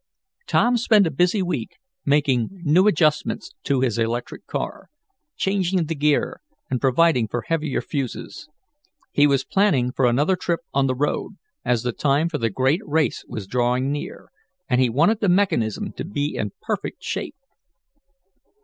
Tom spent a busy week making new adjustments to his electric car, changing the gear and providing for heavier fuses. He was planning for another trip on the road, as the time for the great race was drawing near, and he wanted the mechanism to be in perfect shape.